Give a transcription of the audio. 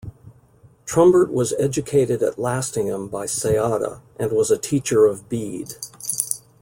Trumbert was educated at Lastingham by Ceadda, and was a teacher of Bede.